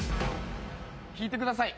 引いてください。